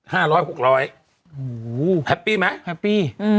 โหแฮปปี้ไหมแฮปปี้